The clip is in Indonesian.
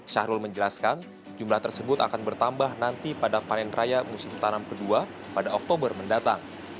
syahrul menjelaskan jumlah tersebut akan bertambah nanti pada panen raya musim tanam kedua pada oktober mendatang